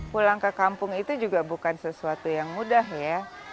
pulang ke kampung itu juga bukan sesuatu yang mudah ya